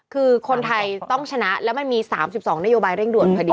คือคนไทยต้องชนะแล้วมันมี๓๒นโยบายเร่งด่วนพอดี